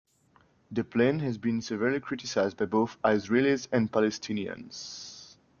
The plan has been severely criticized by both Israelis and Palestinians.